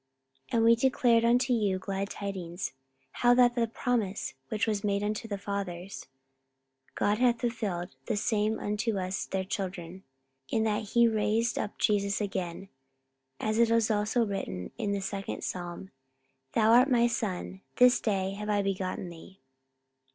44:013:032 And we declare unto you glad tidings, how that the promise which was made unto the fathers, 44:013:033 God hath fulfilled the same unto us their children, in that he hath raised up Jesus again; as it is also written in the second psalm, Thou art my Son, this day have I begotten thee.